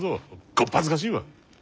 小っ恥ずかしいわ！